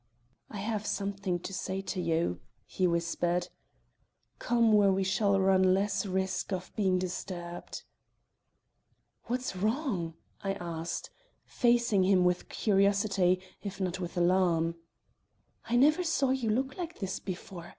"I have something to say to you," he whispered. "Come where we shall run less risk of being disturbed." "What's wrong?" I asked, facing him with curiosity, if not with alarm. "I never saw you look like this before.